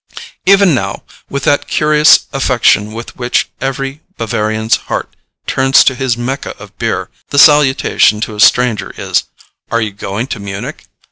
Even now, with that curious affection with which every Bavarian's heart turns to his Mecca of beer, the salutation to a stranger is, "Are you going to Munich?